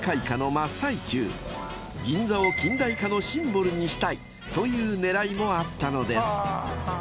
［銀座を近代化のシンボルにしたいという狙いもあったのです］